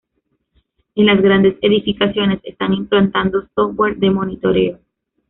En las grandes edificaciones están implantando software de monitoreo.